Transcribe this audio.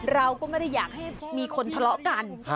เราก็ไม่ได้อยากให้มีคนทะเลาะกัน